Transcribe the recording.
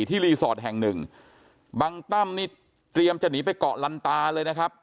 รีสอร์ทแห่งหนึ่งบังตั้มนี่เตรียมจะหนีไปเกาะลันตาเลยนะครับ